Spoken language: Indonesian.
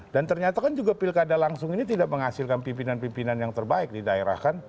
dan ternyata kan juga pilkada langsung ini tidak menghasilkan pimpinan pimpinan yang terbaik di daerah kan